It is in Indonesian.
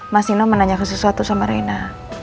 mas nino menanyakan sesuatu sama reina